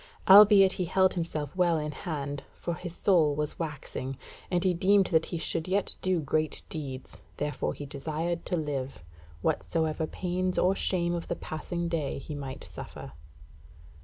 Albeit he held himself well in hand, for his soul was waxing, and he deemed that he should yet do great deeds, therefore he desired to live, whatsoever pains or shame of the passing day he might suffer.